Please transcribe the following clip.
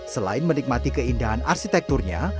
selain menikmati keindahan arsitekturnya